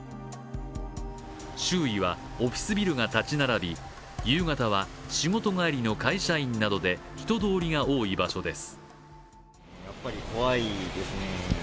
周囲はオフィスビルが立ち並び夕方は仕事帰りの会社員などで人通りが多い場所です。